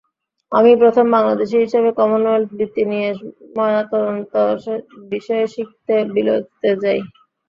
আমিই প্রথম বাংলাদেশি হিসেবে কমনওয়েলথ বৃত্তি নিয়ে ময়নাতদন্ত বিষয়ে শিখতে বিলেতে যাই।